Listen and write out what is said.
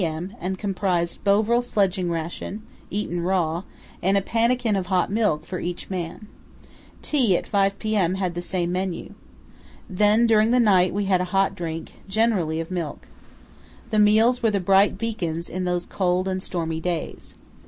m., and comprised Bovril sledging ration, eaten raw, and a pannikin of hot milk for each man. Tea, at 5 p.m., had the same menu. Then during the night we had a hot drink, generally of milk. The meals were the bright beacons in those cold and stormy days.